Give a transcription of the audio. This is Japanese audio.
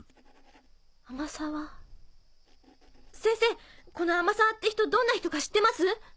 先生この天沢って人どんな人か知ってます？